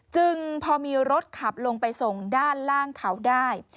จึงพอมีรถขับลงไปส่งด้านล่างเขาได้